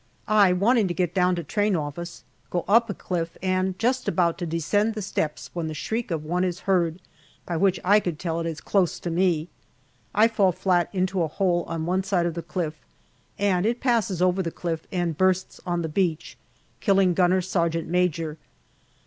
I, wanting to get down to Train office, go up a cliff and am just about to descend the steps when the shriek of one is heard, by which I could tell it is close to me. I fall flat into a hole on one side of the cliff, and it passes over the cliff and bursts on the beach, killing gunner sergeant major.